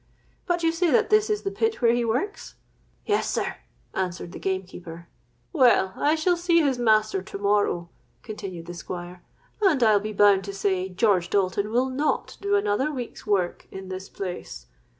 But you say that this is the pit where he works?'—'Yes, sir,' answered the gamekeeper.—'Well, I shall see his master to morrow,' continued the Squire; 'and I'll be bound to say George Dalton will not do another week's work in this place.